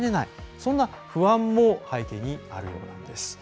そんな不安も背景にあるようです。